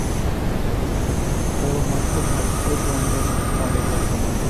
পরমার্থভাব ঐ দ্বন্দ্বের পারে বর্তমান।